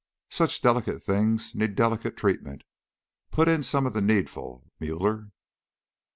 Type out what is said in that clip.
"Such delicate things need delicate treatment. Put in some of the needful, Müller."